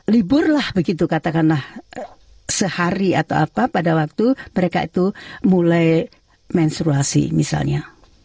liburlah begitu katakanlah sehari atau apa pada waktu mereka itu mulai menstruasi misalnya